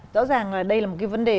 rõ ràng là đây là một cái vấn đề